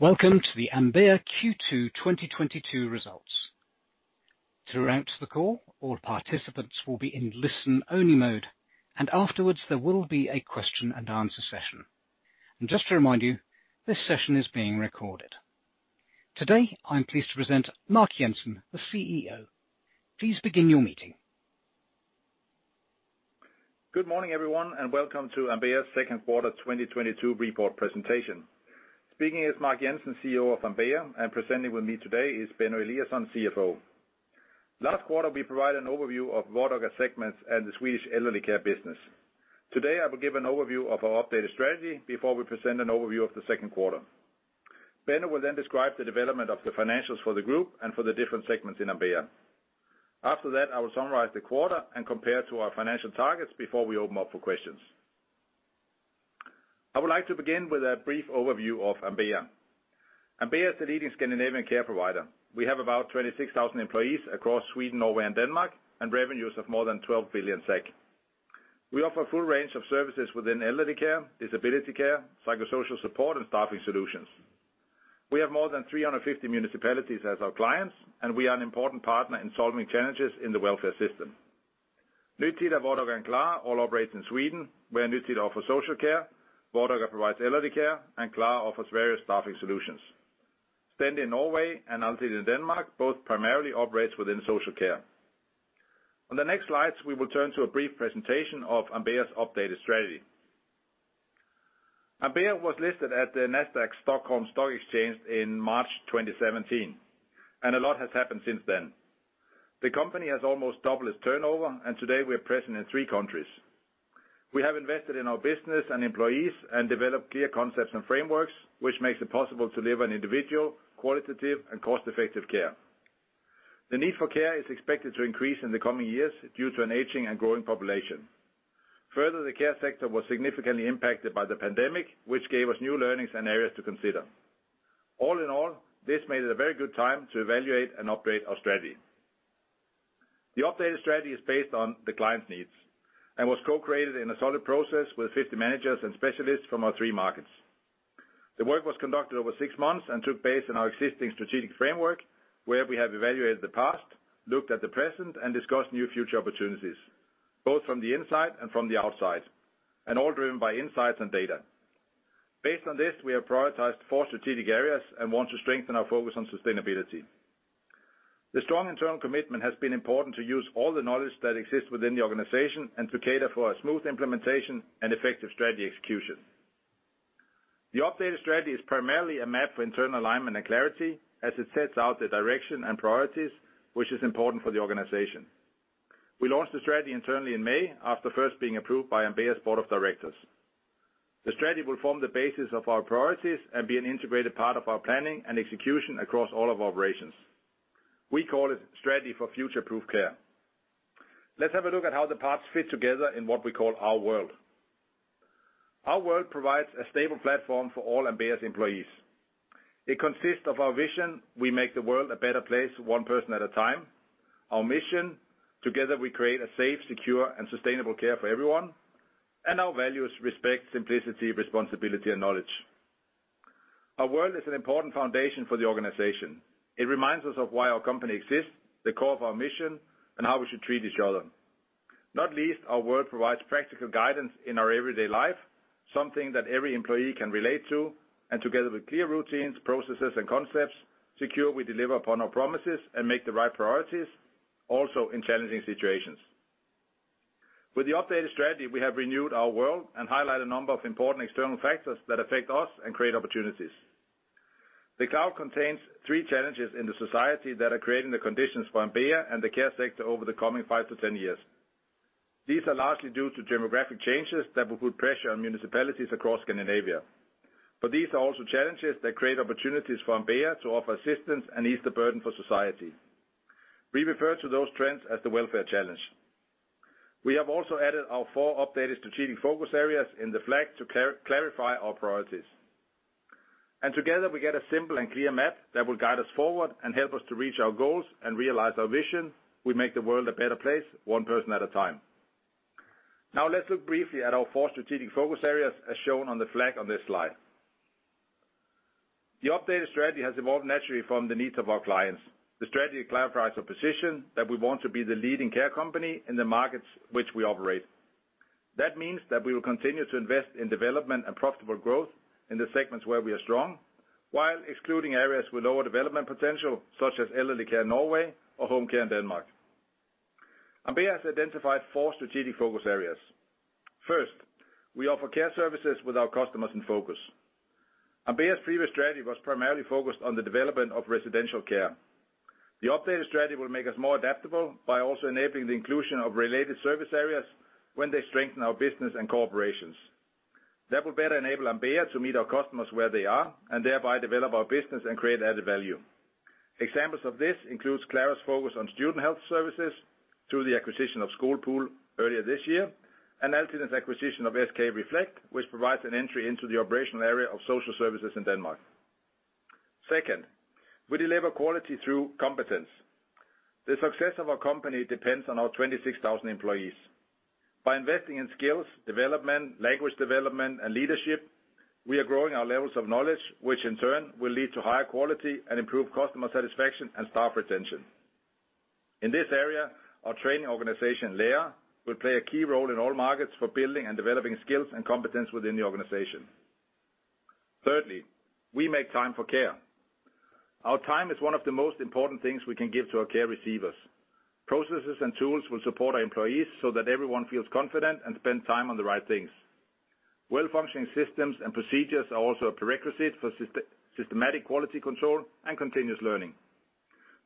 Welcome to the Ambea Q2, 2022 Results. Throughout the call, all participants will be in listen-only mode, and afterwards there will be a question and answer session. Just to remind you, this session is being recorded. Today, I'm pleased to present Mark Jensen, the CEO. Please begin your meeting. Good morning, everyone, and welcome to Ambea's Q2, 2022 report presentation. Speaking is Mark Jensen, CEO of Ambea, and presenting with me today is Benno Eliasson, CFO. Last quarter, we provided an overview of Vardaga segments and the Swedish elderly care business. Today, I will give an overview of our updated strategy before we present an overview of the Q2. Benno will then describe the development of the financials for the group and for the different segments in Ambea. After that, I will summarize the quarter and compare to our financial targets before we open up for questions. I would like to begin with a brief overview of Ambea. Ambea is the leading Scandinavian care provider. We have about 26,000 employees across Sweden, Norway, and Denmark, and revenues of more than 12 billion SEK. We offer a full range of services within elderly care, disability care, psychosocial support, and staffing solutions. We have more than 350 municipalities as our clients, and we are an important partner in solving challenges in the welfare system. Nytida, Vardaga, and Klara all operate in Sweden, where Nytida offers social care, Vardaga provides elderly care, and Klara offers various staffing solutions. Stendi in Norway and Altiden in Denmark both primarily operate within social care. On the next slides, we will turn to a brief presentation of Ambea's updated strategy. Ambea was listed at the Nasdaq Stockholm Stock Exchange in March 2017, and a lot has happened since then. The company has almost doubled its turnover, and today we are present in three countries. We have invested in our business and employees and developed clear concepts and frameworks, which makes it possible to deliver an individual, qualitative, and cost-effective care. The need for care is expected to increase in the coming years due to an aging and growing population. Further, the care sector was significantly impacted by the pandemic, which gave us new learnings and areas to consider. All in all, this made it a very good time to evaluate and update our strategy. The updated strategy is based on the client's needs and was co-created in a solid process with 50 managers and specialists from our three markets. The work was conducted over six months and took base in our existing strategic framework, where we have evaluated the past, looked at the present, and discussed new future opportunities, both from the inside and from the outside, and all driven by insights and data. Based on this, we have prioritized four strategic areas and want to strengthen our focus on sustainability. The strong internal commitment has been important to use all the knowledge that exists within the organization and to cater for a smooth implementation and effective strategy execution. The updated strategy is primarily a map for internal alignment and clarity as it sets out the direction and priorities, which is important for the organization. We launched the strategy internally in May after first being approved by Ambea's board of directors. The strategy will form the basis of our priorities and be an integrated part of our planning and execution across all of our operations. We call it Strategy for Future-Proof Care. Let's have a look at how the parts fit together in what we call our world. Our world provides a stable platform for all Ambea's employees. It consists of our vision: We make the world a better place one person at a time. Our mission: Together we create a safe, secure, and sustainable care for everyone. Our values: Respect, simplicity, responsibility, and knowledge. Our world is an important foundation for the organization. It reminds us of why our company exists, the core of our mission, and how we should treat each other. Not least, our world provides practical guidance in our everyday life, something that every employee can relate to, and together with clear routines, processes, and concepts, ensure we deliver upon our promises and make the right priorities, also in challenging situations. With the updated strategy, we have renewed our world and highlight a number of important external factors that affect us and create opportunities. The cloud contains three challenges in the society that are creating the conditions for Ambea and the care sector over the coming five to 10 years. These are largely due to demographic changes that will put pressure on municipalities across Scandinavia. These are also challenges that create opportunities for Ambea to offer assistance and ease the burden for society. We refer to those trends as the welfare challenge. We have also added our four updated strategic focus areas in the flag to clarify our priorities. Together, we get a simple and clear map that will guide us forward and help us to reach our goals and realize our vision: We make the world a better place one person at a time. Now let's look briefly at our four strategic focus areas as shown on the flag on this slide. The updated strategy has evolved naturally from the needs of our clients. The strategy clarifies our position that we want to be the leading care company in the markets which we operate. That means that we will continue to invest in development and profitable growth in the segments where we are strong while excluding areas with lower development potential such as elderly care in Norway or home care in Denmark. Ambea has identified four strategic focus areas. First, we offer care services with our customers in focus. Ambea's previous strategy was primarily focused on the development of residential care. The updated strategy will make us more adaptable by also enabling the inclusion of related service areas when they strengthen our business and operations. That will better enable Ambea to meet our customers where they are and thereby develop our business and create added value. Examples of this include Klara's focus on student health services through the acquisition of SkolPool earlier this year, and Altiden's acquisition of SK Reflekt, which provides an entry into the operational area of social services in Denmark. Second, we deliver quality through competence. The success of our company depends on our 26,000 employees. By investing in skills development, language development, and leadership, we are growing our levels of knowledge, which in turn will lead to higher quality and improve customer satisfaction and staff retention. In this area, our training organization, Lära, will play a key role in all markets for building and developing skills and competence within the organization. Thirdly, we make time for care. Our time is one of the most important things we can give to our care receivers. Processes and tools will support our employees so that everyone feels confident and spend time on the right things. Well-functioning systems and procedures are also a prerequisite for systematic quality control and continuous learning.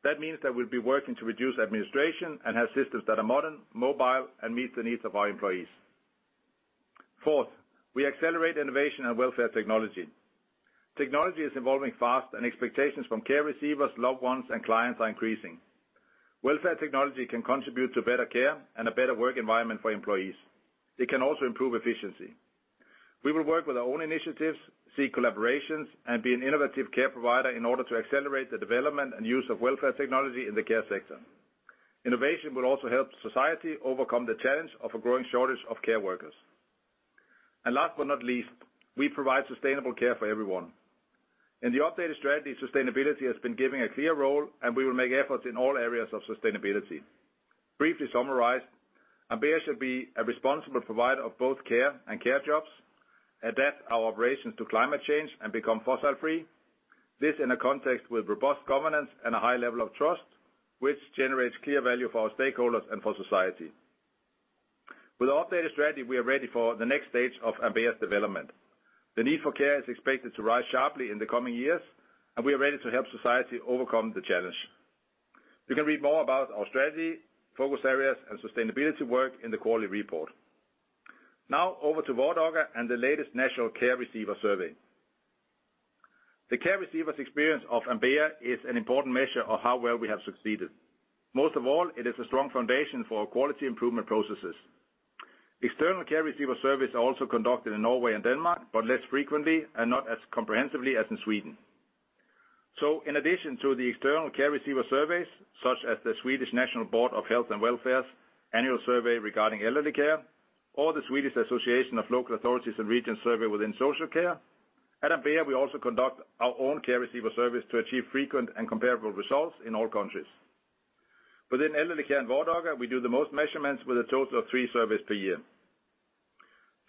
That means that we'll be working to reduce administration and have systems that are modern, mobile, and meet the needs of our employees. Fourth, we accelerate innovation and welfare technology. Technology is evolving fast, and expectations from care receivers, loved ones, and clients are increasing. Welfare technology can contribute to better care and a better work environment for employees. It can also improve efficiency. We will work with our own initiatives, seek collaborations, and be an innovative care provider in order to accelerate the development and use of welfare technology in the care sector. Innovation will also help society overcome the challenge of a growing shortage of care workers. Last but not least, we provide sustainable care for everyone. In the updated strategy, sustainability has been given a clear role, and we will make efforts in all areas of sustainability. Briefly summarized, Ambea should be a responsible provider of both care and care jobs, adapt our operations to climate change, and become fossil-free. This in a context with robust governance and a high level of trust, which generates clear value for our stakeholders and for society. With the updated strategy, we are ready for the next stage of Ambea's development. The need for care is expected to rise sharply in the coming years, and we are ready to help society overcome the challenge. You can read more about our strategy, focus areas, and sustainability work in the quarterly report. Now over to Vardaga and the latest National Care Receiver Survey. The care receivers' experience of Ambea is an important measure of how well we have succeeded. Most of all, it is a strong foundation for our quality improvement processes. External care receiver surveys are also conducted in Norway and Denmark, but less frequently and not as comprehensively as in Sweden. In addition to the external care receiver surveys, such as the Swedish National Board of Health and Welfare's annual survey regarding elderly care or the Swedish Association of Local Authorities and Regions Survey within social care, at Ambea, we also conduct our own care receiver surveys to achieve frequent and comparable results in all countries. Within elderly care in Vardaga, we do the most measurements with a total of three surveys per year.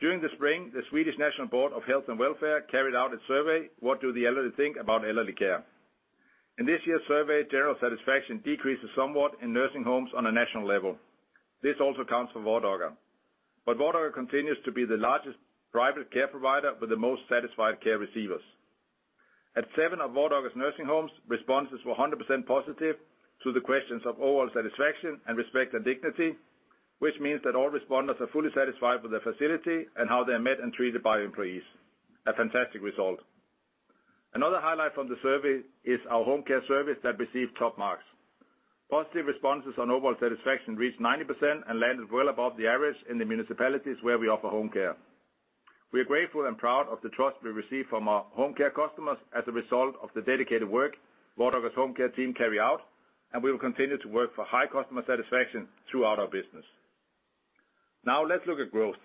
During the spring, the Swedish National Board of Health and Welfare carried out a survey, "What do the elderly think about elderly care?" In this year's survey, general satisfaction decreases somewhat in nursing homes on a national level. This also counts for Vardaga. Vardaga continues to be the largest private care provider with the most satisfied care receivers. At seven of Vardaga's nursing homes, responses were 100% positive to the questions of overall satisfaction and respect and dignity, which means that all respondents are fully satisfied with the facility and how they're met and treated by employees. A fantastic result. Another highlight from the survey is our home care service that received top marks. Positive responses on overall satisfaction reached 90% and landed well above the average in the municipalities where we offer home care. We are grateful and proud of the trust we receive from our home care customers as a result of the dedicated work Vardaga's home care team carry out, and we will continue to work for high customer satisfaction throughout our business. Now let's look at growth.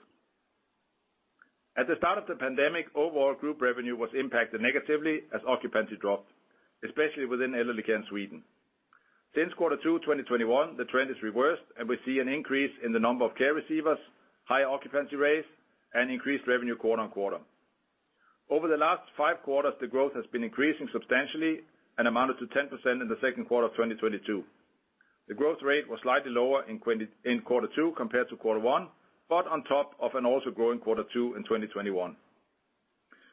At the start of the pandemic, overall group revenue was impacted negatively as occupancy dropped, especially within elderly care in Sweden. Since Q2, 2021, the trend has reversed, and we see an increase in the number of care receivers, higher occupancy rates, and increased revenue quarter-on-quarter. Over the last five quarters, the growth has been increasing substantially and amounted to 10% in the Q2 of 2022. The growth rate was slightly lower in Q2 compared to Q1, but on top of an also growing Q2 in 2021.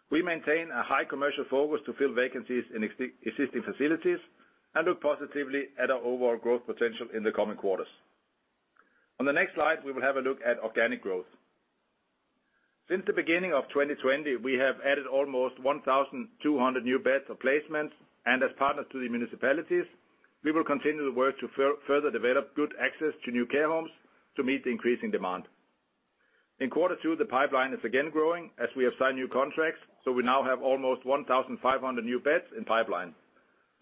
We maintain a high commercial focus to fill vacancies in existing facilities and look positively at our overall growth potential in the coming quarters. On the next slide, we will have a look at organic growth. Since the beginning of 2020, we have added almost 1,200 new beds or placements, and as partners to the municipalities, we will continue the work to further develop good access to new care homes to meet the increasing demand. In Q2, the pipeline is again growing as we have signed new contracts, so we now have almost 1,500 new beds in pipeline,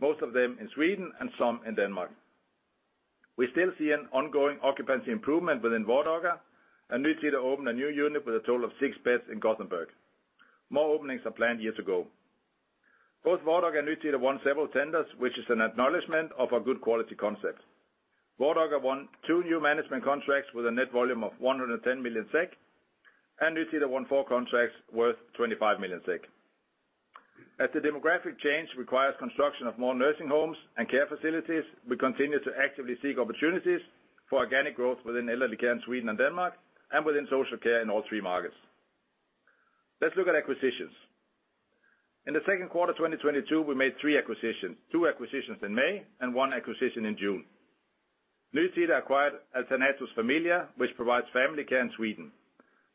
most of them in Sweden and some in Denmark. We still see an ongoing occupancy improvement within Vardaga, and Nytida opened a new unit with a total of six beds in Gothenburg. More openings are planned years ago. Both Vardaga and Nytida won several tenders, which is an acknowledgment of our good quality concept. Vardaga won two new management contracts with a net volume of 110 million SEK, and Nytida won four contracts worth 25 million SEK. As the demographic change requires construction of more nursing homes and care facilities, we continue to actively seek opportunities for organic growth within elderly care in Sweden and Denmark and within social care in all three markets. Let's look at acquisitions. In the Q2 of 2022, we made three acquisitions. Two acquisitions in May and one acquisition in June. Nytida acquired Alternatus Familia, which provides family care in Sweden.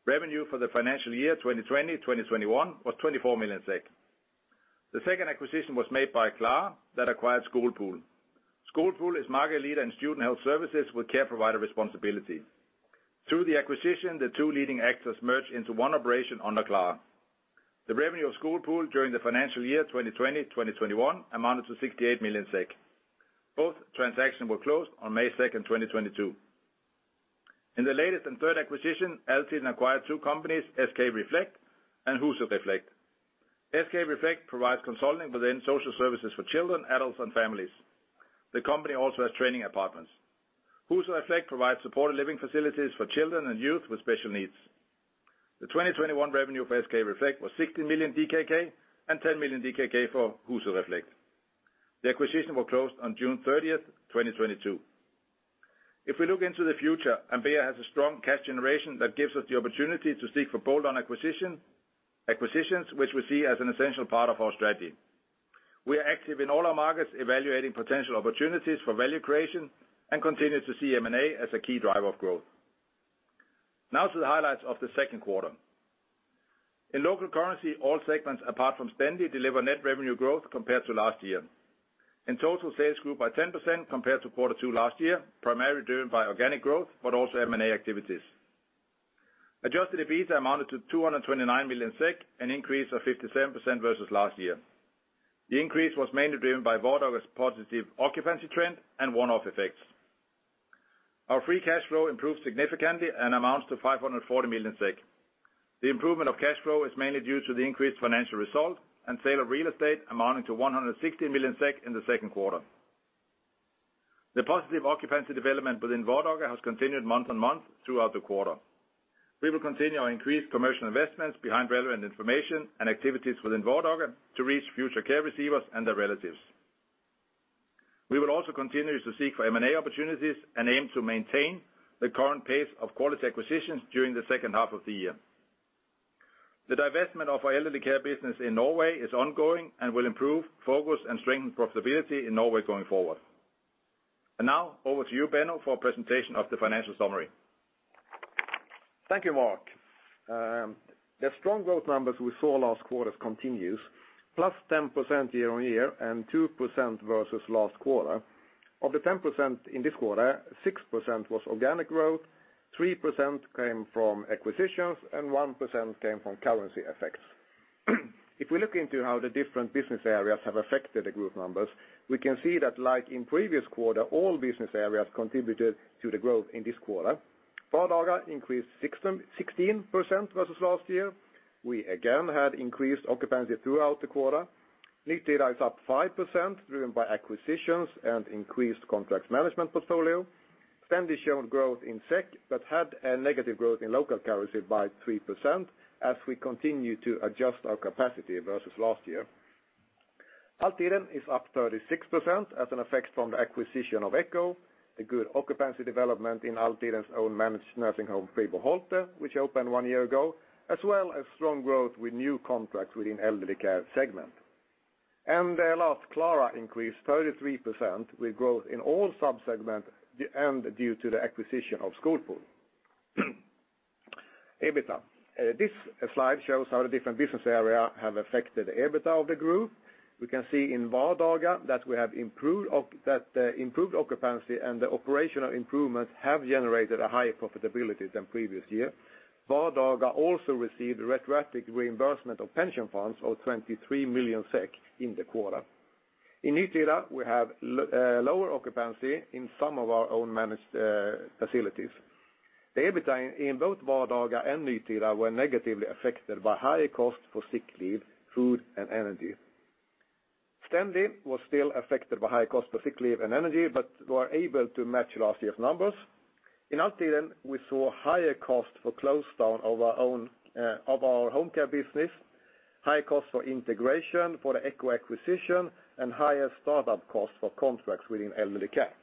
Revenue for the financial year 2020, 2021 was 24 million. The second acquisition was made by Klara that acquired SkolPool. SkolPool is market leader in student health services with care provider responsibility. Through the acquisition, the two leading actors merged into one operation under Klara. The revenue of SkolPool during the financial year 2020, 2021 amounted to 68 million SEK. Both transactions were closed on May 2nd, 2022. In the latest and third acquisition, Altiden acquired two companies, SK Reflekt and Huset Reflekt. SK Reflekt provides consulting within social services for children, adults, and families. The company also has training apartments. Huset Reflekt provides supported living facilities for children and youth with special needs. The 2021 revenue for SK Reflekt was 60 million DKK and 10 million DKK for Huset Reflekt. The acquisitions were closed on June 30th, 2022. If we look into the future, Ambea has a strong cash generation that gives us the opportunity to seek for bolt-on acquisitions, which we see as an essential part of our strategy. We are active in all our markets evaluating potential opportunities for value creation and continue to see M&A as a key driver of growth. Now to the highlights of the Q2. In local currency, all segments apart from Stendi deliver net revenue growth compared to last year. In total, sales grew by 10% compared to Q2 last year, primarily driven by organic growth, but also M&A activities. Adjusted EBIT amounted to 229 million SEK, an increase of 57% versus last year. The increase was mainly driven by Vardaga's positive occupancy trend and one-off effects. Our free cash flow improved significantly and amounts to 540 million SEK. The improvement of cash flow is mainly due to the increased financial result and sale of real estate amounting to 160 million SEK in the Q2. The positive occupancy development within Vardaga has continued month-on-month throughout the quarter. We will continue our increased commercial investments behind relevant information and activities within Vardaga to reach future care receivers and their relatives. We will also continue to seek for M&A opportunities and aim to maintain the current pace of quality acquisitions during the H2 of the year. The divestment of our elderly care business in Norway is ongoing and will improve focus and strengthen profitability in Norway going forward. Now over to you, Benno, for a presentation of the financial summary. Thank you, Mark. The strong growth numbers we saw last quarter continues +10% year-on-year and 2% versus last quarter. Of the 10% in this quarter, 6% was organic growth, 3% came from acquisitions, and 1% came from currency effects. If we look into how the different business areas have affected the group numbers, we can see that like in previous quarter, all business areas contributed to the growth in this quarter. Vardaga increased 16% versus last year. We again had increased occupancy throughout the quarter. Nytida is up 5% driven by acquisitions and increased contracts management portfolio. Stendi showed growth in SEK, but had a negative growth in local currency by 3% as we continue to adjust our capacity versus last year. Altiden is up 36% as an effect from the acquisition of EKKOfonden, a good occupancy development in Altiden's own managed nursing home, Prästholmen, which opened one year ago, as well as strong growth with new contracts within elderly care segment. Last, Klara increased 33% with growth in all sub-segments and due to the acquisition of SkolPool. EBITDA. This slide shows how the different business area have affected the EBITDA of the group. We can see in Vardaga that we have improved occupancy and the operational improvements have generated a higher profitability than previous year. Vardaga also received a retroactive reimbursement of pension funds of 23 million SEK in the quarter. In Nytida, we have lower occupancy in some of our own managed facilities. The EBITDA in both Vardaga and Nytida were negatively affected by higher cost for sick leave, food, and energy. Stendi was still affected by high cost for sick leave and energy, but we were able to match last year's numbers. In Altiden, we saw higher cost for close down of our own home care business, high cost for integration for the EKKOfonden acquisition, and higher startup costs for contracts within elderly care.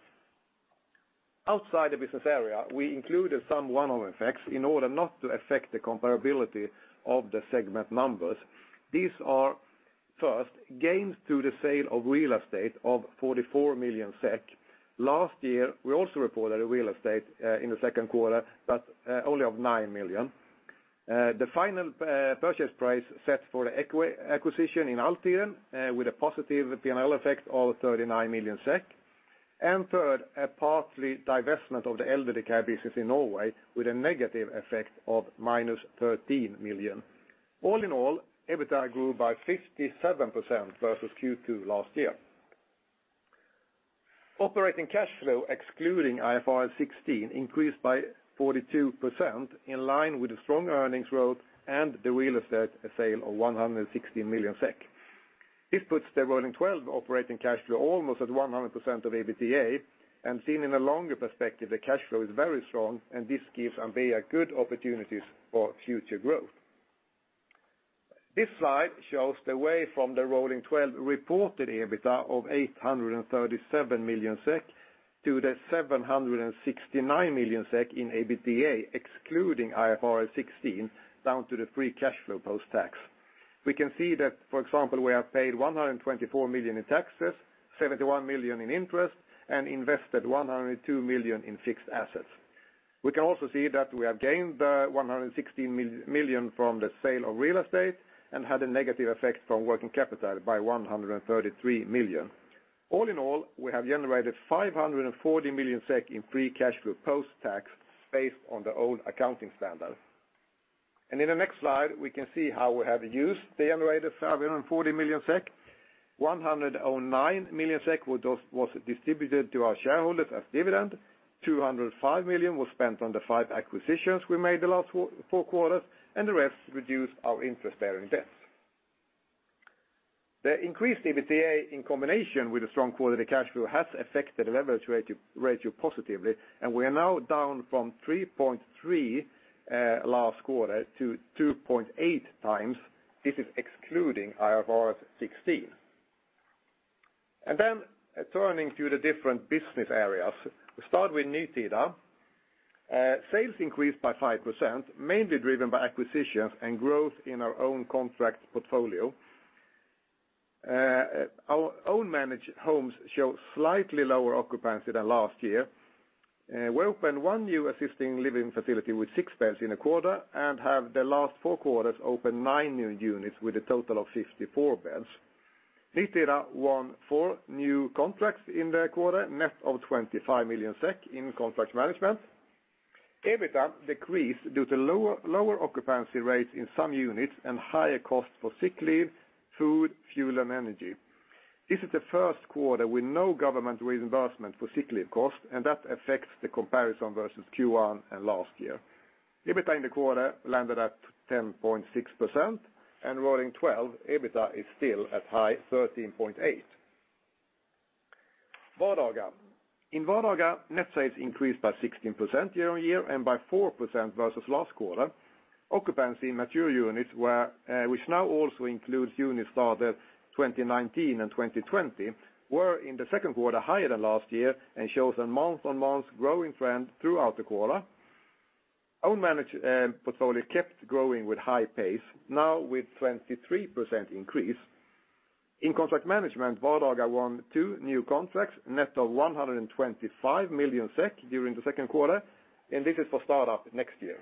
Outside the business area, we included some one-off effects in order not to affect the comparability of the segment numbers. These are, first, gains to the sale of real estate of 44 million SEK. Last year, we also reported a real estate in the Q2, but only of 9 million. The final purchase price set for the Aleris acquisition in Älvdalen with a positive P&L effect of 39 million SEK. Third, a partly divestment of the elderly care business in Norway with a negative effect of -13 million. All in all, EBITDA grew by 57% versus Q2 last year. Operating cash flow, excluding IFRS 16, increased by 42% in line with the strong earnings growth and the real estate sale of 160 million SEK. This puts the Rolling Twelve operating cash flow almost at 100% of EBITDA. Seen in a longer perspective, the cash flow is very strong, and this gives Ambea good opportunities for future growth. This slide shows the way from the Rolling Twelve reported EBITDA of 837 million SEK to the 769 million SEK in EBITDA, excluding IFRS 16, down to the free cash flow post-tax. We can see that, for example, we have paid 124 million in taxes, 71 million in interest, and invested 102 million in fixed assets. We can also see that we have gained 160 million from the sale of real estate and had a negative effect from working capital by 133 million. All in all, we have generated 540 million SEK in free cash flow post-tax based on the old accounting standard. In the next slide, we can see how we have used the generated 540 million SEK. 109 million SEK was distributed to our shareholders as dividend, 205 million was spent on the five acquisitions we made the last four quarters, and the rest reduced our interest-bearing debts. The increased EBITDA in combination with a strong quality cash flow has affected the leverage rate, ratio positively, and we are now down from 3.3 last quarter to 2.8x. This is excluding IFRS 16. Turning to the different business areas. We start with Nytida. Sales increased by 5%, mainly driven by acquisitions and growth in our own contract portfolio. Our own managed homes show slightly lower occupancy than last year. We opened one new assisted living facility with six beds in a quarter and have the last four quarters opened nine new units with a total of 54 beds. Nytida won four new contracts in the quarter, net of 25 million SEK in contract management. EBITDA decreased due to lower occupancy rates in some units and higher costs for sick leave, food, fuel and energy. This is the Q1 with no government reimbursement for sick leave costs, and that affects the comparison versus Q1 and last year. EBITDA in the quarter landed at 10.6%, and Rolling Twelve EBITDA is still at high 13.8. Vardaga. In Vardaga, net sales increased by 16% year-on-year and by 4% versus last quarter. Occupancy in mature units, which now also includes units started 2019 and 2020, were in the Q2 higher than last year and shows a month-on-month growing trend throughout the quarter. Own managed portfolio kept growing with high pace, now with 23% increase. In contract management, Vardaga won two new contracts, net of 125 million SEK during the Q2, and this is for startup next year.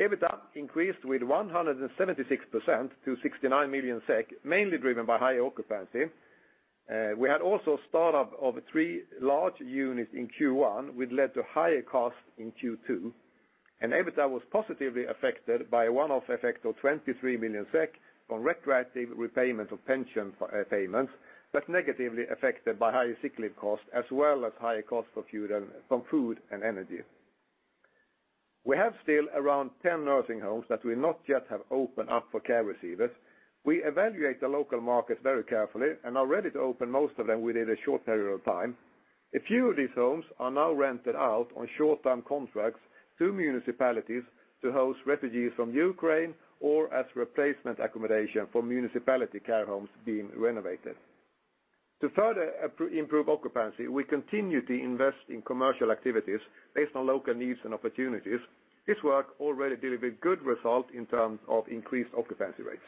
EBITDA increased with 176% to 69 million SEK, mainly driven by high occupancy. We had also startup of three large units in Q1, which led to higher costs in Q2. EBITDA was positively affected by a one-off effect of 23 million SEK on retroactive repayment of pension payments, but negatively affected by higher sick leave costs as well as higher costs for fuel and for food and energy. We have still around 10 nursing homes that we not yet have opened up for care receivers. We evaluate the local market very carefully and are ready to open most of them within a short period of time. A few of these homes are now rented out on short-term contracts to municipalities to house refugees from Ukraine or as replacement accommodation for municipality care homes being renovated. To further improve occupancy, we continue to invest in commercial activities based on local needs and opportunities. This work already delivered good results in terms of increased occupancy rates.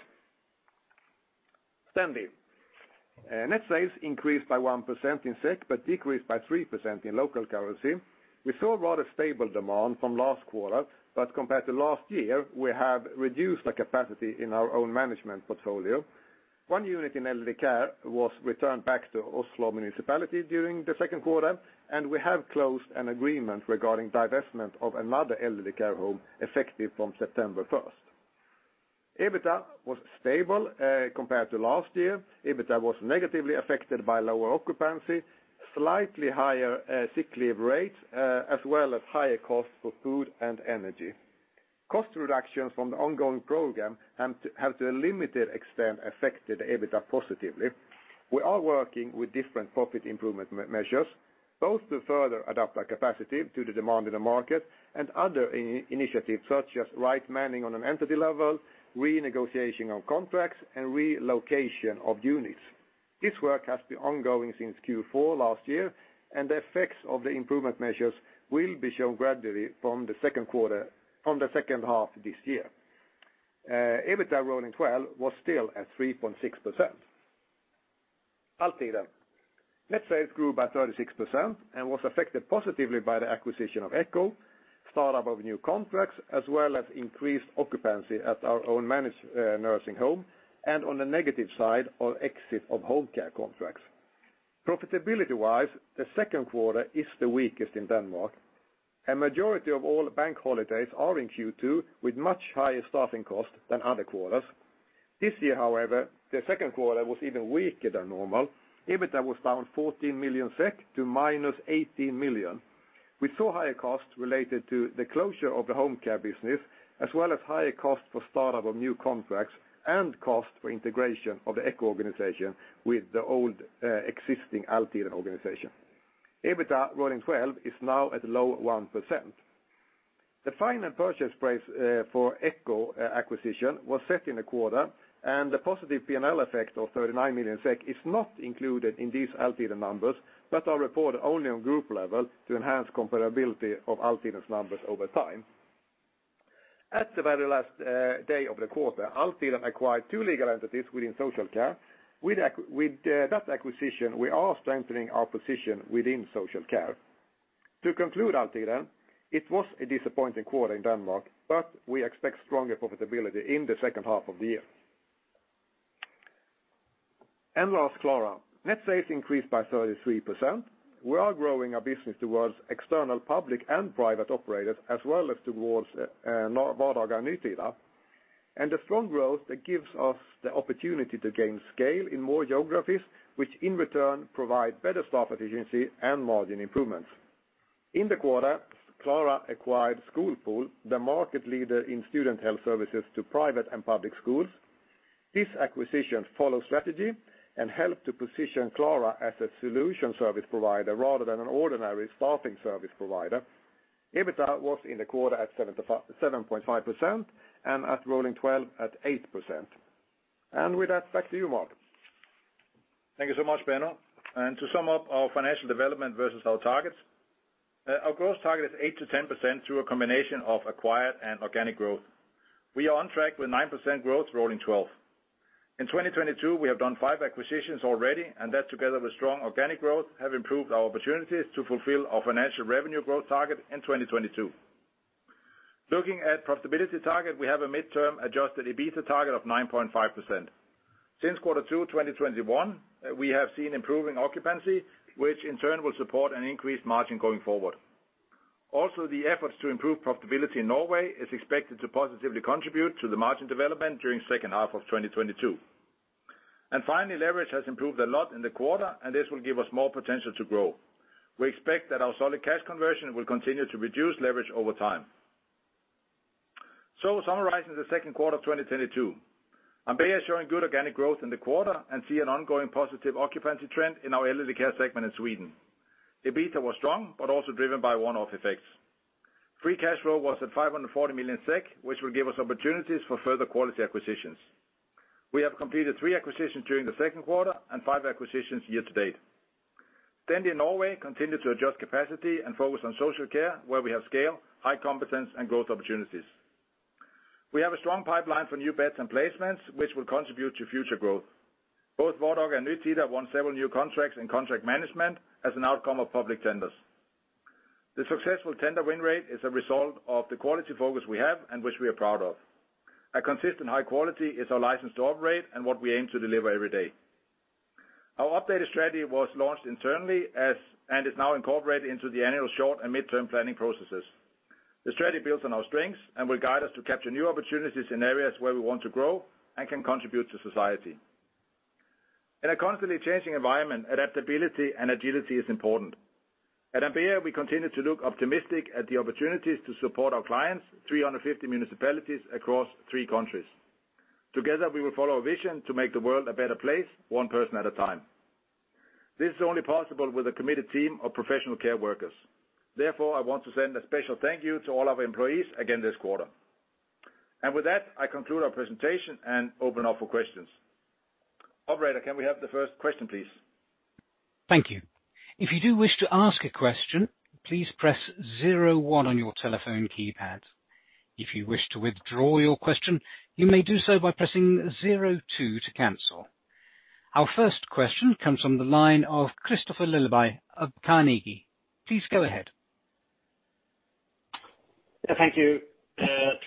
Stendi. Net sales increased by 1% in SEK, but decreased by 3% in local currency. We saw rather stable demand from last quarter, but compared to last year, we have reduced the capacity in our own management portfolio. One unit in elderly care was returned back to Oslo municipality during the Q2, and we have closed an agreement regarding divestment of another elderly care home effective from September, 1st. EBITDA was stable compared to last year. EBITDA was negatively affected by lower occupancy, slightly higher sick leave rates, as well as higher costs for food and energy. Cost reductions from the ongoing program have to a limited extent affected EBITDA positively. We are working with different profit improvement measures, both to further adapt our capacity to the demand in the market and other initiatives such as right manning on an entity level, renegotiation of contracts, and relocation of units. This work has been ongoing since Q4 last year, and the effects of the improvement measures will be shown gradually from the H2 this year. EBITDA Rolling Twelve was still at 3.6%. Altiden. Net sales grew by 36% and was affected positively by the acquisition of EKKOfonden, start-up of new contracts, as well as increased occupancy at our own managed nursing home, and on the negative side, our exit of home care contracts. Profitability-wise, the Q2 is the weakest in Denmark. A majority of all bank holidays are in Q2 with much higher staffing costs than other quarters. This year, however, the Q2 was even weaker than normal. EBITDA was down 14 million SEK to -18 million. We saw higher costs related to the closure of the home care business, as well as higher costs for start-up of new contracts and cost for integration of the EKKOfonden organization with the old, existing Altiden organization. EBITDA Rolling Twelve is now at low 1%. The final purchase price for EKKOfonden acquisition was set in the quarter, and the positive P&L effect of 39 million SEK is not included in these Altiden numbers, but are reported only on group level to enhance comparability of Altiden's numbers over time. At the very last day of the quarter, Altiden acquired two legal entities within social care. With that acquisition, we are strengthening our position within social care. To conclude Altiden, it was a disappointing quarter in Denmark, but we expect stronger profitability in the H2 of the year. Last, Klara. Net sales increased by 33%. We are growing our business towards external public and private operators, as well as towards our Vardaga and Nytida. The strong growth that gives us the opportunity to gain scale in more geographies, which in return provide better staff efficiency and margin improvements. In the quarter, Klara acquired SkolPool, the market leader in student health services to private and public schools. This acquisition follows strategy and helps to position Klara as a solution service provider rather than an ordinary staffing service provider. EBITA was in the quarter at 7.5% and at rolling twelve at 8%. With that, back to you, Mark. Thank you so much, Benno. To sum up our financial development versus our targets, our growth target is 8%-10% through a combination of acquired and organic growth. We are on track with 9% growth Rolling Twelve. In 2022, we have done five acquisitions already, and that together with strong organic growth, have improved our opportunities to fulfil our financial revenue growth target in 2022. Looking at profitability target, we have a midterm Adjusted EBITDA target of 9.5%. Since Q2, 2021, we have seen improving occupancy, which in turn will support an increased margin going forward. Also, the efforts to improve profitability in Norway is expected to positively contribute to the margin development during H2 of 2022. Finally, leverage has improved a lot in the quarter, and this will give us more potential to grow. We expect that our solid cash conversion will continue to reduce leverage over time. Summarizing the Q2 of 2022, Ambea is showing good organic growth in the quarter and see an ongoing positive occupancy trend in our elderly care segment in Sweden. EBITDA was strong, but also driven by one-off effects. Free cash flow was at 540 million SEK, which will give us opportunities for further quality acquisitions. We have completed three acquisitions during the Q2 and five acquisitions year to date. In Norway, continued to adjust capacity and focus on social care where we have scale, high competence and growth opportunities. We have a strong pipeline for new beds and placements, which will contribute to future growth. Both Vardaga and Nytida won several new contracts in contract management as an outcome of public tenders. The successful tender win rate is a result of the quality focus we have and which we are proud of. A consistent high quality is our license to operate and what we aim to deliver every day. Our updated strategy was launched internally as, and is now incorporated into the annual short and midterm planning processes. The strategy builds on our strengths and will guide us to capture new opportunities in areas where we want to grow and can contribute to society. In a constantly changing environment, adaptability and agility is important. At Ambea, we continue to look optimistic at the opportunities to support our clients, 350 municipalities across three countries. Together, we will follow our vision to make the world a better place one person at a time. This is only possible with a committed team of professional care workers. Therefore, I want to send a special thank you to all our employees again this quarter. With that, I conclude our presentation and open up for questions. Operator, can we have the first question, please? Thank you. If you do wish to ask a question, please press zero one on your telephone keypad. If you wish to withdraw your question, you may do so by pressing zero two to cancel. Our first question comes from the line of Kristofer Liljeberg of Carnegie. Please go ahead. Yeah, thank you.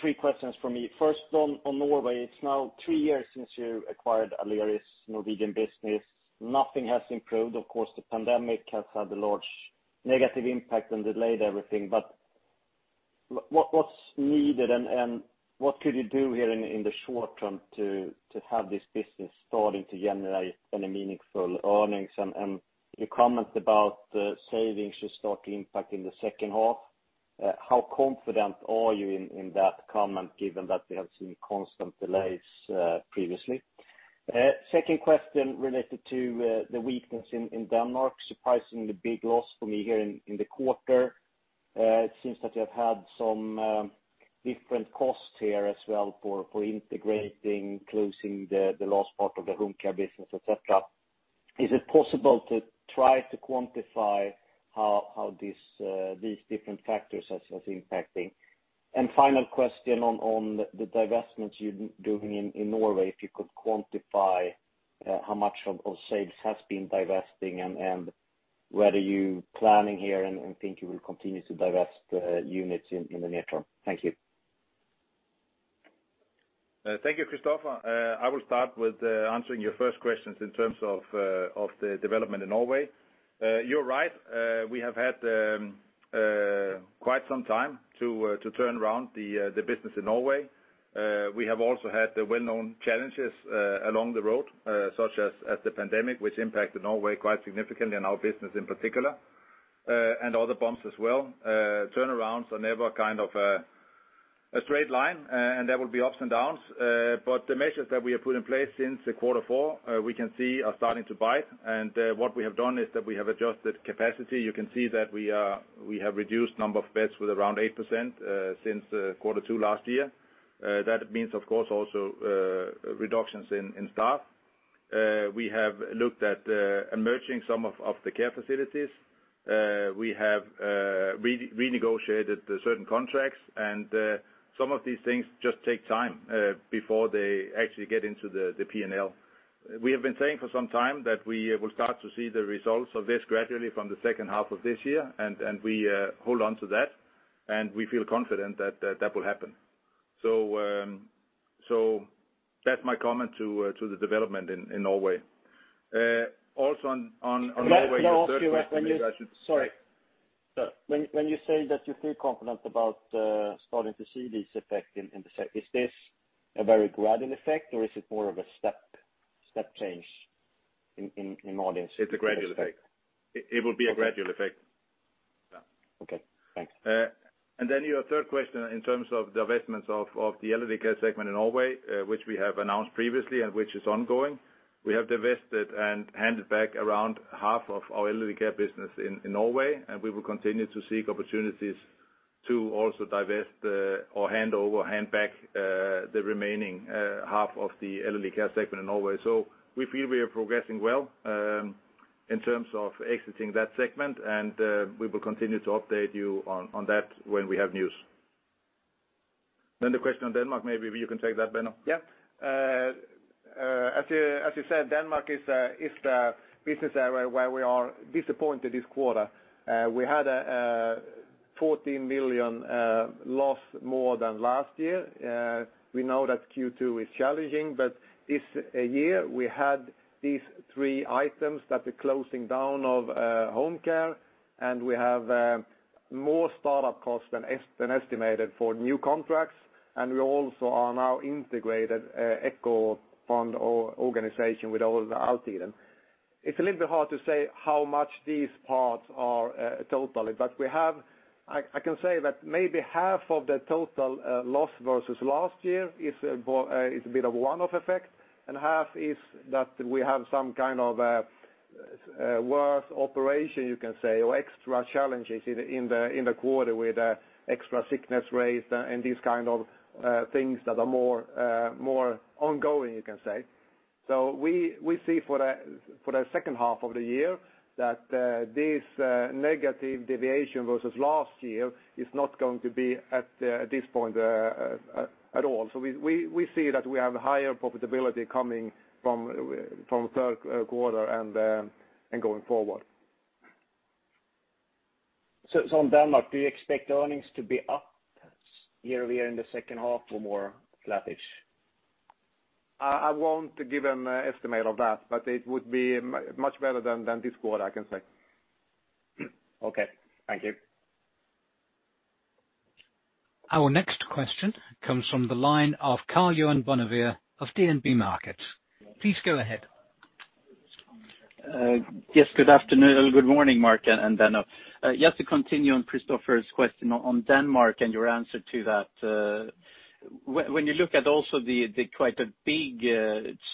Three questions for me. First on Norway. It's now three years since you acquired Aleris Norwegian business. Nothing has improved. Of course, the pandemic has had a large negative impact and delayed everything but what's needed and what could you do here in the short term to have this business starting to generate any meaningful earnings? And you comment about the savings should start to impact in the H2. How confident are you in that comment given that we have seen constant delays previously? Second question related to the weakness in Denmark, surprisingly big loss for me here in the quarter. It seems that you have had some different costs here as well for integrating, closing the last part of the home care business, etc. Is it possible to try to quantify how these different factors are impacting? Final question on the divestments you're doing in Norway, if you could quantify how much of sales has been divesting and whether you planning here and think you will continue to divest units in the near term? Thank you. Thank you, Kristofer. I will start with answering your first questions in terms of the development in Norway. You're right. We have had quite some time to turn around the business in Norway. We have also had the well-known challenges along the road, such as the pandemic, which impacted Norway quite significantly and our business in particular, and other bumps as well. Turnarounds are never kind of a straight line, and there will be ups and downs. But the measures that we have put in place since Q4 we can see are starting to bite. What we have done is that we have adjusted capacity. You can see that we have reduced number of beds with around 8% since Q2 last year. That means, of course, also reductions in staff. We have looked at merging some of the care facilities. We have renegotiated certain contracts, and some of these things just take time before they actually get into the P&L. We have been saying for some time that we will start to see the results of this gradually from the H2 of this year, and we hold on to that, and we feel confident that that will happen. That's my comment to the development in Norway. Also on Norway. Can I ask you when you? Maybe I should. Sorry. Sorry. When you say that you feel confident about starting to see these effects, is this a very gradual effect or is it more of a step change in audience? It's a gradual effect. Okay. It will be a gradual effect. Yeah. Okay. Thanks. Your third question in terms of the investments of the Elderly Care segment in Norway, which we have announced previously and which is ongoing. We have divested and handed back around half of our Elderly Care business in Norway, and we will continue to seek opportunities to also divest or hand back the remaining half of the Elderly Care segment in Norway. We feel we are progressing well in terms of exiting that segment, and we will continue to update you on that when we have news. The question on Denmark, maybe you can take that, Benno. Yeah. As you said, Denmark is the business area where we are disappointed this quarter. We had 14 million loss more than last year. We know that Q2 is challenging, but this year we had these three items that, the closing down of home care, and we have more startup costs than estimated for new contracts, and we also are now integrated EKKOfonden organization with all the Altiden. It's a little bit hard to say how much these parts are total, but we have. I can say that maybe half of the total loss versus last year is a bit of one-off effect, and half is that we have some worse operation, you can say, or extra challenges in the quarter with extra sickness rates and these kind of things that are more ongoing, you can say. We see for the H2 of the year that this negative deviation versus last year is not going to be at this point at all. We see that we have higher profitability coming from Q3 and going forward. In Denmark, do you expect earnings to be up year-over-year in the H2 or more flattish? I won't give an estimate of that, but it would be much better than this quarter, I can say. Okay. Thank you. Our next question comes from the line of Karl-Johan Bonnevier of DNB Markets. Please go ahead. Yes, good afternoon, or good morning, Mark and Benno. Just to continue on Kristofer's question on Denmark and your answer to that. When you look at also the quite a big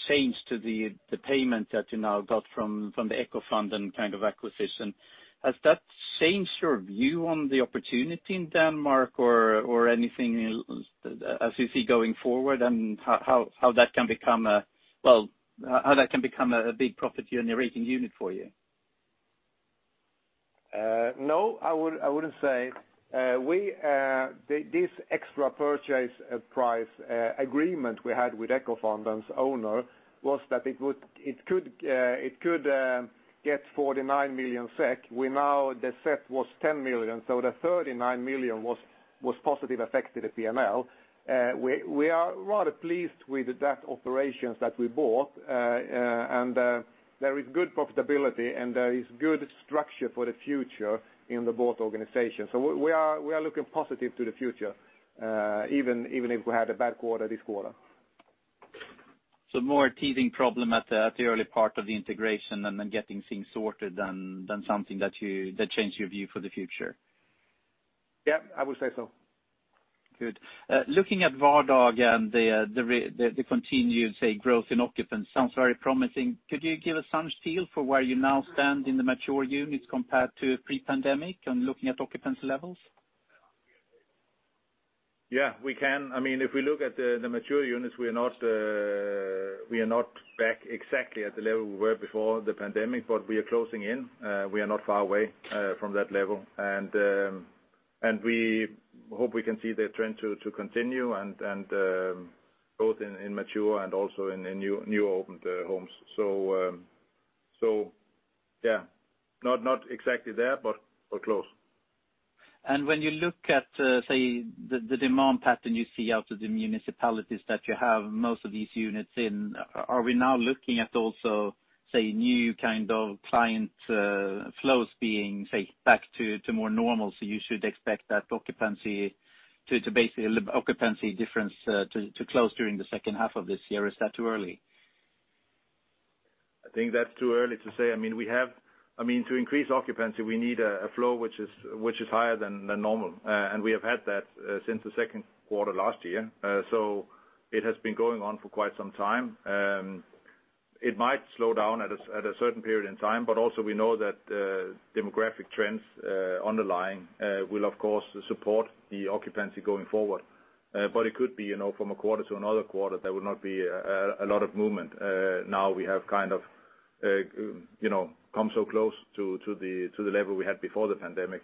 change to the payment that you now got from the EKKOfonden acquisition, has that changed your view on the opportunity in Denmark or anything as you see going forward and how that can become a big profit generating unit for you? No, I wouldn't say. We. This extra purchase price agreement we had with EKKOfonden and its owner was that it could get 49 million SEK. We now, the set was 10 million, so the 39 million was positive effect to the P&L. We are rather pleased with that operations that we bought. There is good profitability and there is good structure for the future in both organizations. We are looking positive to the future, even if we had a bad quarter this quarter. More a teething problem at the early part of the integration and then getting things sorted than something that changed your view for the future? Yeah, I would say so. Good. Looking at Vardaga and the continued, say, growth in occupants sounds very promising. Could you give us some feel for where you now stand in the mature units compared to pre-pandemic and looking at occupancy levels? Yeah, we can. I mean, if we look at the mature units, we are not back exactly at the level we were before the pandemic, but we are closing in. We are not far away from that level. We hope we can see the trend to continue and both in mature and also in new opened homes. Yeah, not exactly there, but close. When you look at, say, the demand pattern you see out of the municipalities that you have most of these units in, are we now looking at also, say, new kind of client flows being, say, back to more normal? You should expect that occupancy difference to close during the H2 of this year. Is that too early? I think that's too early to say. I mean, to increase occupancy, we need a flow which is higher than normal. We have had that since the Q2 last year. It has been going on for quite some time. It might slow down at a certain period in time, but we know that demographic trends underlying will of course support the occupancy going forward. It could be, you know, from a quarter to another quarter, there will not be a lot of movement. Now we have kind of, you know, come so close to the level we had before the pandemic.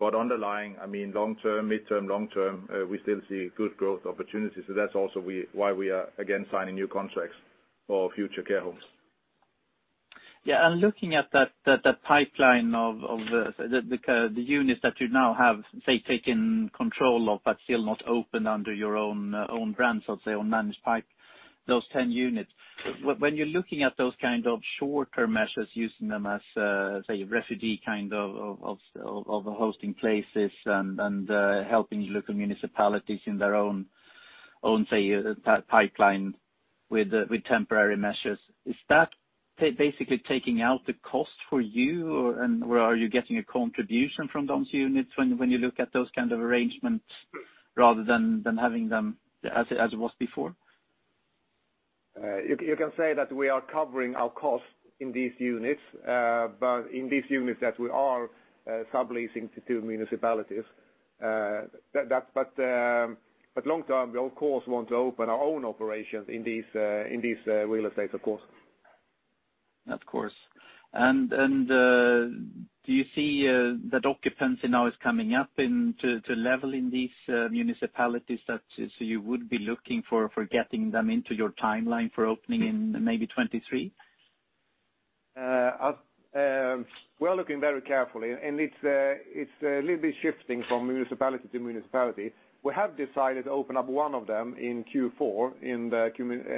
Underlying, I mean, long term, midterm, long term, we still see good growth opportunities. That's also why we are again signing new contracts for future care homes. Yeah. Looking at that, the pipeline of the units that you now have taken control of but still not open under your own brands or managed pipeline, those 10 units. When you're looking at those shorter measures, using them as refugee hosting places and helping local municipalities in their own pipeline with temporary measures. Is that basically taking out the cost for you? Where are you getting a contribution from those units when you look at those arrangements rather than having them as it was before? You can say that we are covering our costs in these units. In these units that we are subleasing to municipalities. Long term, we of course want to open our own operations in these real estates, of course. Of course. Do you see that occupancy now is coming up to level in these municipalities that, so you would be looking for getting them into your timeline for opening in maybe 2023? We are looking very carefully, and it's a little bit shifting from municipality to municipality. We have decided to open up one of them in Q4 in the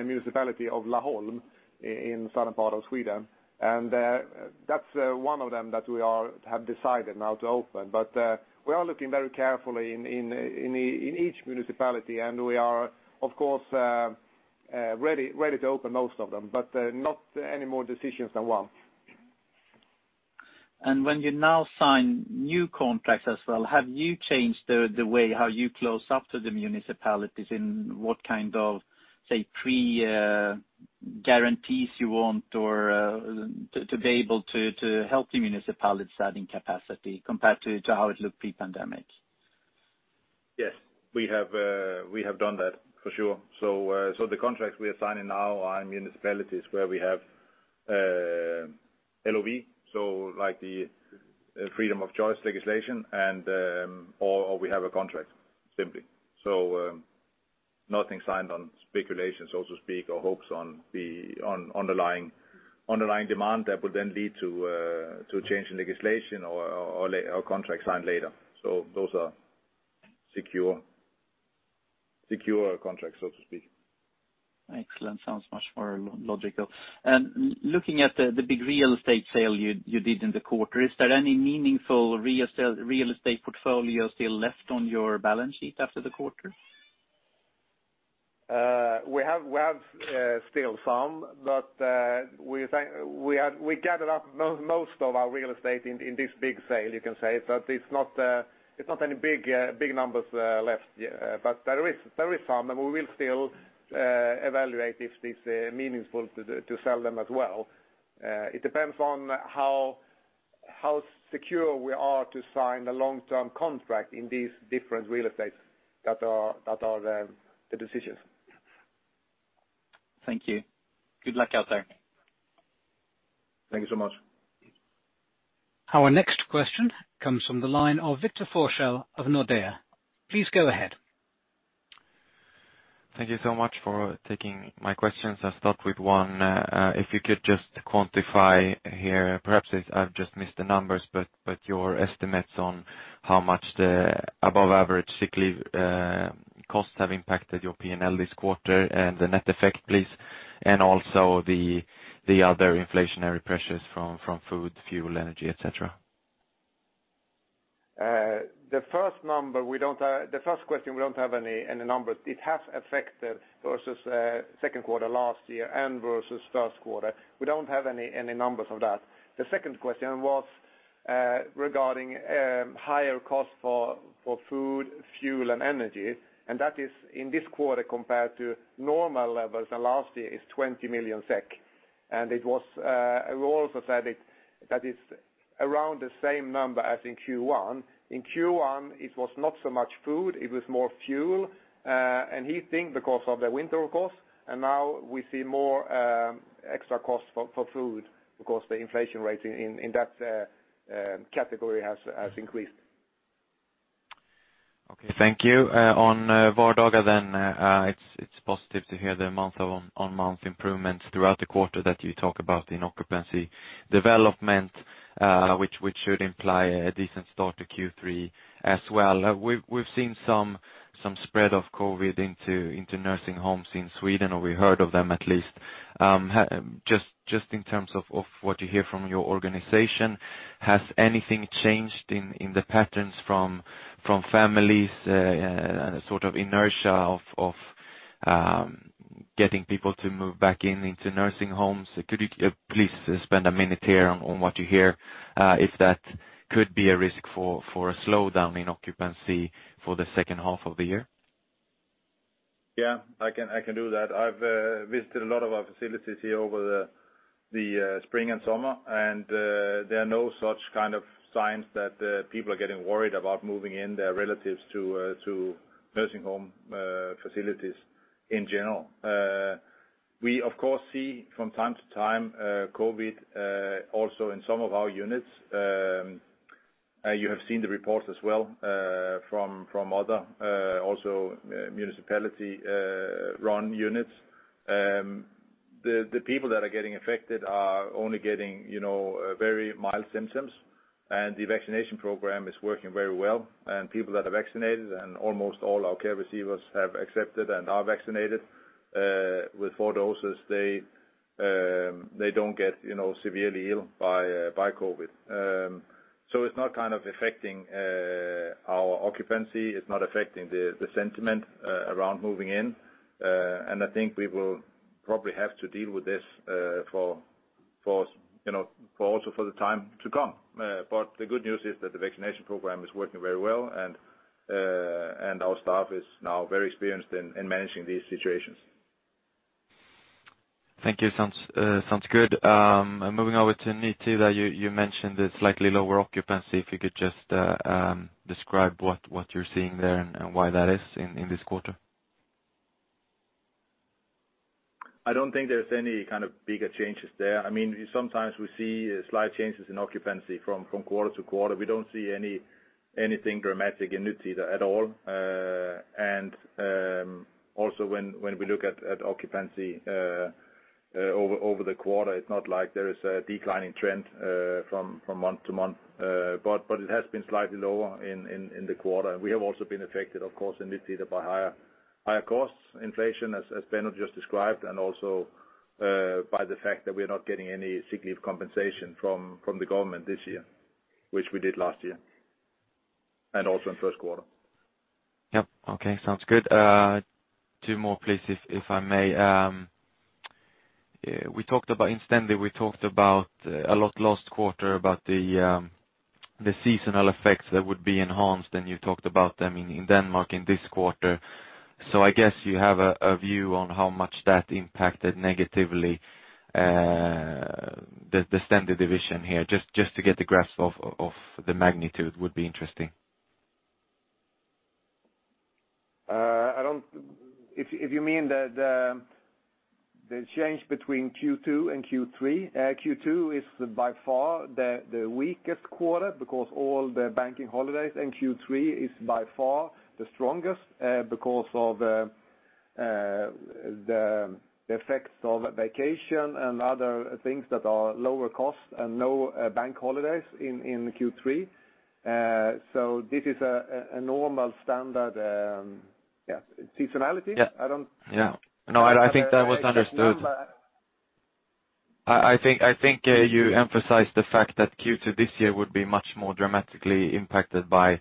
municipality of Laholm in southern part of Sweden. That's one of them that we have decided now to open. We are looking very carefully in each municipality, and we are of course ready to open most of them, but not any more decisions than one. When you now sign new contracts as well, have you changed the way how you close up to the municipalities in what say, pre guarantees you want or to be able to help the municipalities adding capacity compared to how it looked pre-pandemic? Yes. We have done that for sure. The contracts we are signing now are in municipalities where we have LOV, so like the freedom of choice legislation and, or we have a contract simply. Nothing signed on speculation, so to speak, or hopes on the underlying demand that would then lead to a change in legislation or contract signed later. Those are secure contracts so to speak. Excellent. Sounds much more logical. Looking at the big real estate sale you did in the quarter, is there any meaningful real estate portfolio still left on your balance sheet after the quarter? We have still some, but we think. We gathered up most of our real estate in this big sale, you can say. It's not any big numbers left. There is some, and we will still evaluate if it's meaningful to sell them as well. It depends on how secure we are to sign a long-term contract in these different real estates. That are the decisions. Thank you. Good luck out there. Thank you so much. Our next question comes from the line of Victor Forssell of Nordea. Please go ahead. Thank you so much for taking my questions. I'll start with one. If you could just quantify here, perhaps it's I've just missed the numbers, but your estimates on how much the above average sick leave costs have impacted your P&L this quarter and the net effect, please, and also the other inflationary pressures from food, fuel, energy, et cetera? The first question, we don't have any numbers. It has affected versus Q2 last year and versus Q1. We don't have any numbers of that. The second question was regarding higher costs for food, fuel, and energy, and that is in this quarter compared to normal levels and last year is 20 million SEK. It was, we also said it, that it's around the same number as in Q1. In Q1, it was not so much food, it was more fuel and heating because of the winter, of course. Now we see more extra costs for food because the inflation rate in that category has increased. Okay. Thank you. On Vardaga then, it's positive to hear the month-over-month improvements throughout the quarter that you talk about in occupancy development, which should imply a decent start to Q3 as well. We've seen some spread of COVID into nursing homes in Sweden, or we heard of them at least. Just in terms of what you hear from your organization, has anything changed in the patterns from families and a sort of inertia of getting people to move back into nursing homes? Could you please spend a minute here on what you hear if that could be a risk for a slowdown in occupancy for the H2 of the year? Yeah, I can do that. I've visited a lot of our facilities here over the spring and summer, and there are no such signs that people are getting worried about moving in their relatives to nursing home facilities. In general. We of course see from time to time COVID also in some of our units. You have seen the reports as well from other also municipality-run units. The people that are getting affected are only getting you know very mild symptoms, and the vaccination program is working very well. People that are vaccinated, and almost all our care receivers have accepted and are vaccinated with four doses, they don't get you know severely ill by COVID. It's not affecting our occupancy, it's not affecting the sentiment around moving in. I think we will probably have to deal with this for the time to come. The good news is that the vaccination program is working very well, and our staff is now very experienced in managing these situations. Thank you. Sounds good. Moving over to Nytida. You mentioned the slightly lower occupancy. If you could just describe what you're seeing there and why that is in this quarter? I don't think there's any bigger changes there. I mean, sometimes we see slight changes in occupancy from quarter-to-quarter. We don't see anything dramatic in Nytida at all. Also when we look at occupancy over the quarter, it's not like there is a declining trend from month to month. It has been slightly lower in the quarter. We have also been affected, of course, in Nytida by higher costs, inflation, as Benno just described, and also by the fact that we're not getting any significant compensation from the government this year, which we did last year, and also in Q1. Yep. Okay, sounds good. Two more, please, if I may. In Stendi, we talked about a lot last quarter about the seasonal effects that would be enhanced, and you talked about them in Denmark in this quarter. I guess you have a view on how much that impacted negatively the Stendi division here. Just to get the grasp of the magnitude would be interesting. If you mean the change between Q2 and Q3, Q2 is by far the weakest quarter because all the bank holidays, and Q3 is by far the strongest because of the effects of vacation and other things that are lower cost and no bank holidays in Q3. This is a normal standard, yeah, seasonality. Yeah. I don't- Yeah. No, I think that was understood. I think you emphasized the fact that Q2 this year would be much more dramatically impacted by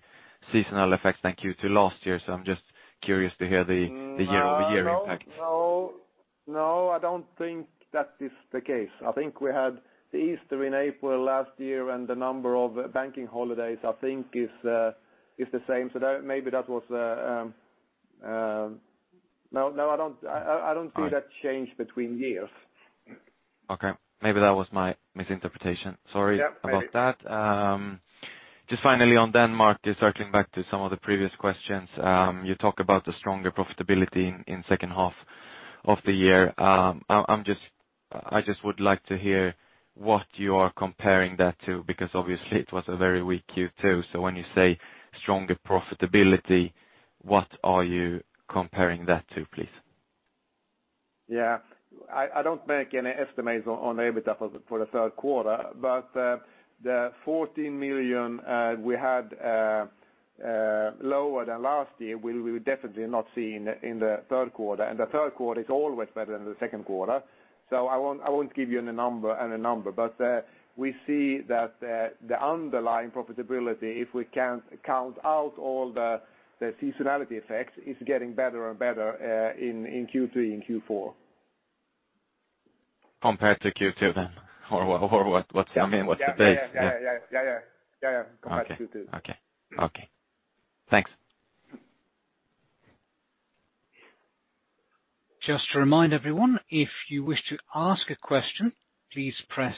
seasonal effects than Q2 last year, so I'm just curious to hear the year-over-year impact. No, no. No, I don't think that is the case. I think we had the Easter in April last year, and the number of bank holidays, I think, is the same. No, no, I don't see that change between years. Okay. Maybe that was my misinterpretation. Sorry about that. Yeah, maybe. Just finally on Denmark, just circling back to some of the previous questions. You talk about the stronger profitability in H2 of the year. I just would like to hear what you are comparing that to, because obviously it was a very weak Q2. When you say stronger profitability, what are you comparing that to, please? Yeah. I don't make any estimates on EBITDA for the Q3. The 14 million we had lower than last year, we will definitely not see in the Q3. In the Q3 is always better than the Q2. I won't give you any number and a number. We see that the underlying profitability, if we can count out all the seasonality effects, is getting better and better in Q3 and Q4. Compared to Q2 then? Or what? I mean, what's the base? Yeah. Okay. Compared to Q2. Okay. Thanks. Just to remind everyone, if you wish to ask a question, please press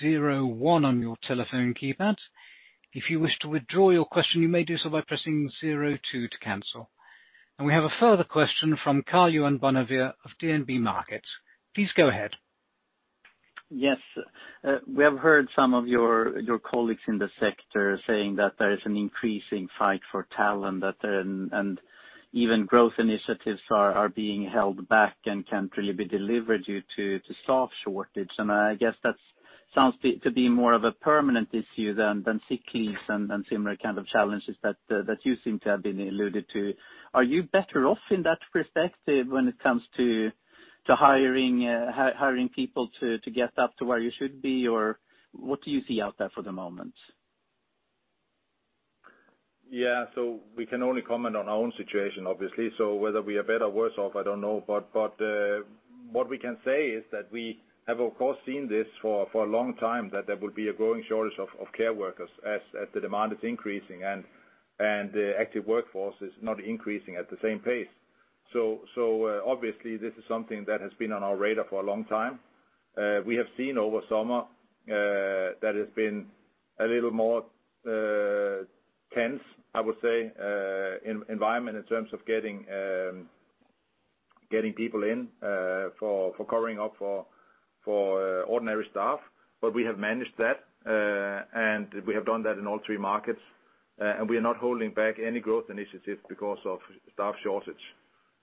zero one on your telephone keypad. If you wish to withdraw your question, you may do so by pressing zero two to cancel. We have a further question from Karl-Johan Bonnevier of DNB Markets. Please go ahead. Yes. We have heard some of your colleagues in the sector saying that there is an increasing fight for talent, and even growth initiatives are being held back and can't really be delivered due to staff shortage. I guess that sounds to be more of a permanent issue than sick leaves and similar challenges that you seem to have been alluded to. Are you better off in that perspective when it comes to hiring people to get up to where you should be? Or what do you see out there for the moment? Yeah. We can only comment on our own situation, obviously. Whether we are better or worse off, I don't know. What we can say is that we have, of course, seen this for a long time, that there will be a growing shortage of care workers as the demand is increasing and the active workforce is not increasing at the same pace. Obviously, this is something that has been on our radar for a long time. We have seen over summer that has been a little more tense, I would say, environment in terms of getting people in for covering up for ordinary staff. We have managed that, and we have done that in all three markets. We are not holding back any growth initiatives because of staff shortage.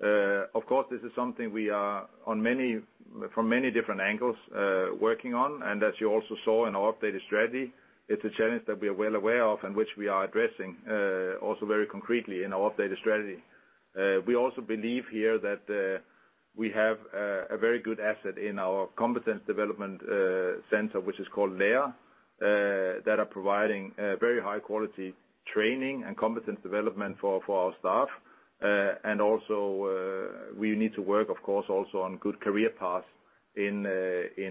Of course, this is something we are working on from many different angles. As you also saw in our updated strategy, it's a challenge that we are well aware of and which we are addressing also very concretely in our updated strategy. We also believe here that we have a very good asset in our competence development center, which is called Lära, that are providing very high quality training and competence development for our staff. Also, we need to work, of course, also on good career paths in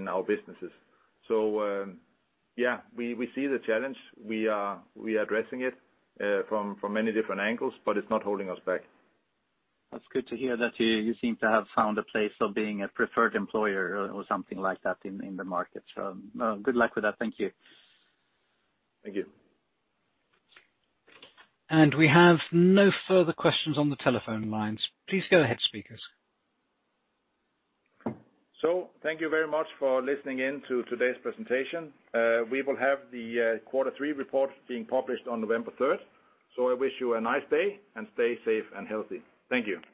our businesses. We see the challenge. We are addressing it from many different angles, but it's not holding us back. That's good to hear that you seem to have found a place of being a preferred employer or something like that in the market. Good luck with that. Thank you. Thank you. We have no further questions on the telephone lines. Please go ahead, speakers. Thank you very much for listening in to today's presentation. We will have the quarter three report being published on November 3rd. I wish you a nice day, and stay safe and healthy. Thank you.